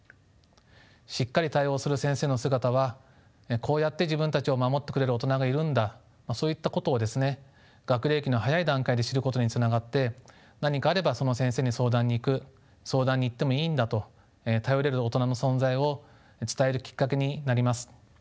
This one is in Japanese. しっかり対応する先生の姿はこうやって自分たちを守ってくれる大人がいるんだそういったことをですね学齢期の早い段階で知ることにつながって何かあればその先生に相談に行く相談に行ってもいいんだと頼れる大人の存在を伝えるきっかけになります。